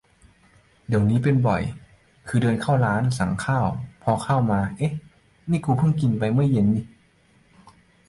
เดี๋ยวนี้เป็นบ่อย คือเดินเข้าร้าน สั่งข้าว พอข้าวมา เอ๊ะ นี่กูเพิ่งกินไปเมื่อเย็นนิ